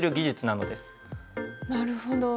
なるほど。